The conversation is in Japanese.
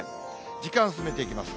時間進めていきます。